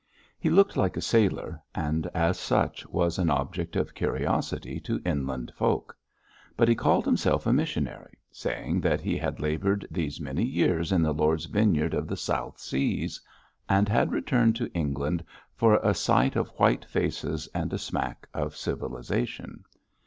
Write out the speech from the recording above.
He looked like a sailor, and as such was an object of curiosity to inland folk; but he called himself a missionary, saying that he had laboured these many years in the Lord's vineyard of the South Seas, and had returned to England for a sight of white faces and a smack of civilisation.